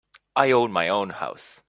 I own my own house.